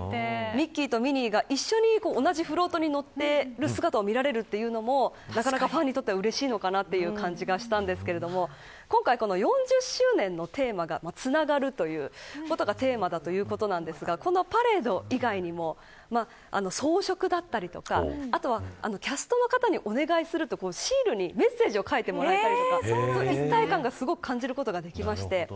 ミッキーとミニーが一緒にフロートに乗っている姿を見られるというのもファンにとってはうれしいという感じがしましたが今回４０周年のテーマがつながるということがテーマだということですがこのパレード以外にも装飾だったりキャストの方にお願いするとシールにメッセージを書いてもらえるとか一体感を感じることができます。